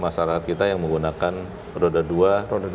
masyarakat kita yang menggunakan roda dua